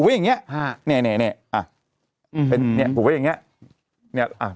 ไว้อย่างเงี้ยฮะเนี้ยเนี้ยเนี้ยอ่ะเป็นเนี้ยผูกไว้อย่างเงี้ย